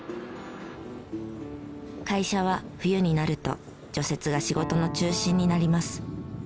会社は冬になると除雪が仕事の中心になります。